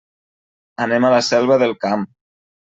Anem a la Selva del Camp.